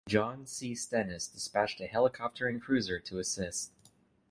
"John C. Stennis" dispatched a helicopter and cruiser to assist.